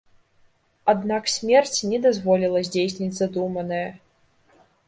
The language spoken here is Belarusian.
Аднак смерць не дазволіла здзейсніць задуманае.